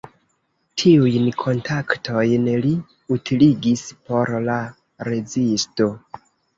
Tiujn kontaktojn li utiligis por la rezisto.